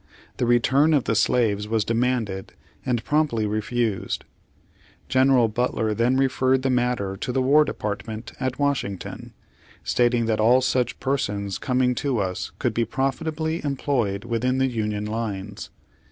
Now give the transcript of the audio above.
The return of the slaves was demanded, and promptly refused. Gen. Butler then referred the matter to the War Department at Washington, stating that all such persons coming to us could be profitably em ployed within the Union lines.